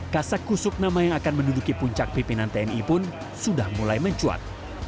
kasak kusuk nama yang akan menduduki puncak pimpinan tni pun sudah mulai mencuat